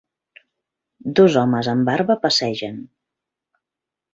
Dos homes amb barba passegen.